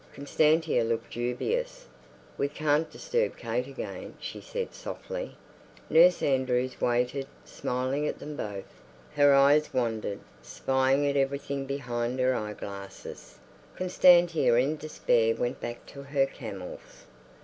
Constantia looked dubious. "We can't disturb Kate again," she said softly. Nurse Andrews waited, smiling at them both. Her eyes wandered, spying at everything behind her eyeglasses. Constantia in despair went back to her camels.